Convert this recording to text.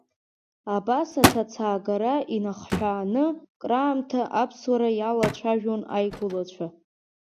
Абас аҭацаагара инахҳәааны краамҭа Аԥсуара иалацәажәон аигәылацәа.